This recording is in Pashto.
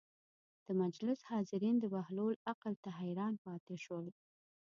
د مجلس حاضرین د بهلول عقل ته حیران پاتې شول.